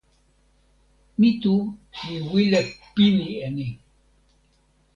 mi tu li wile pini e ni.